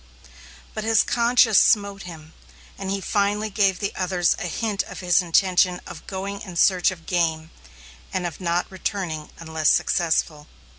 But his conscience smote him, and he finally gave the others a hint of his intention of going in search of game, and of not returning unless successful.